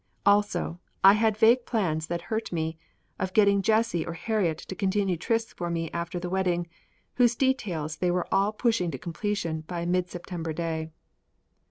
Also, I had vague plans that hurt me, of getting Jessie or Harriet to continue the trysts for me after the wedding, whose details they were all pushing to completion by a mid September day.